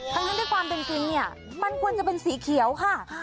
ทั้งที่ความเป็นจริงเนี่ยมันควรจะเป็นสีเขียวค่ะ